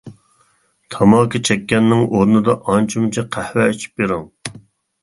تاماكا چەككەننىڭ ئورنىدا ئانچە-مۇنچە قەھۋە ئىچىپ بىرىڭ!